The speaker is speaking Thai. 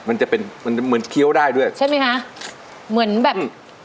มันจะเป็นมันเหมือนเคี้ยวได้ด้วยใช่ไหมคะเหมือนแบบ